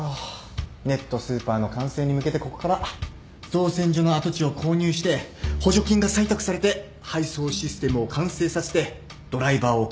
ネットスーパーの完成に向けてここから造船所の跡地を購入して補助金が採択されて配送システムを完成させてドライバーを確保して。